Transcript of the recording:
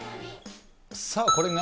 さあ、これが？